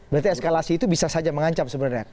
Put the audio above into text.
berarti eskalasi itu bisa saja mengancam sebenarnya